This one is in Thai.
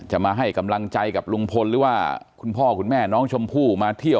มาให้กำลังใจกับลุงพลหรือว่าคุณพ่อคุณแม่น้องชมพู่มาเที่ยว